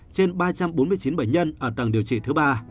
trên ba trăm bốn mươi chín bệnh nhân ở tầng điều trị thứ ba